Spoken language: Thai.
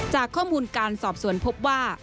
จากข้อมูลการสอบสวนพบว่า